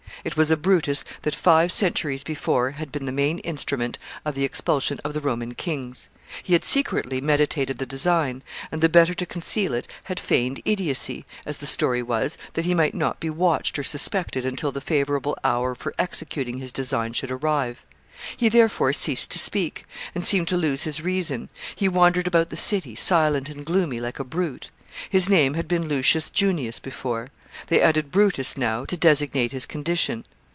It was a Brutus that five centuries before had been the main instrument of the expulsion of the Roman kings. He had secretly meditated the design, and, the better to conceal it, had feigned idiocy, as the story was, that he might not be watched or suspected until the favorable hour for executing his design should arrive. He therefore ceased to speak, and seemed to lose his reason; he wandered about the city silent and gloomy, like a brute. His name had been Lucius Junius before. They added Brutus now, to designate his condition.